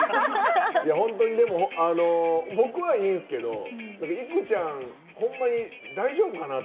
本当に、僕はいいんですけどいくちゃん、ほんまに大丈夫かなって。